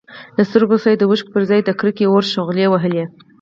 له سترګو څخه يې د اوښکو پرځای د کرکې اور شغلې وهلې.